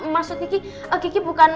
maksud giki giki bukan masak